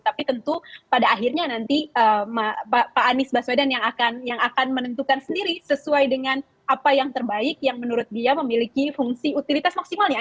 tapi tentu pada akhirnya nanti pak anies baswedan yang akan menentukan sendiri sesuai dengan apa yang terbaik yang menurut dia memiliki fungsi utilitas maksimalnya